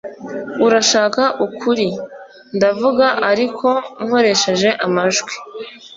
Urashaka ukuri Ndavuga ariko nkoresheje amajwi